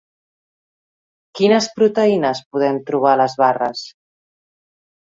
Quines proteïnes podem trobar a les barres?